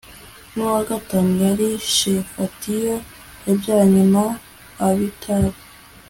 n uwa gatanu yari Shefatiyao yabyaranye na Abitali